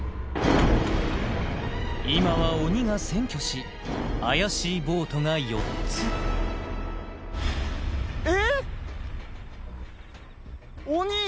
今は鬼が占拠し怪しいボートが４つええ！？